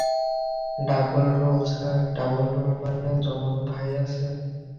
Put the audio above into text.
Double role sir, - double role, মানে যমজ ভাই আছে।